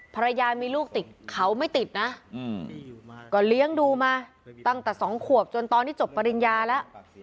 ภรรยามีลูกติดเขาไม่ติดนะก็เลี้ยงดูมาตั้งแต่๒ขวบจนตอนนี้จบปริญญาแล้ว